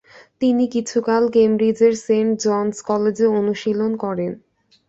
তিনি কিছুকাল কেমব্রিজের Saint Jones কলেজে অনুশীলন করেন।